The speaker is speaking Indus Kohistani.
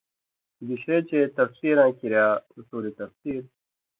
گِشے چے تفسیراں کِریا اُصول تفسیر،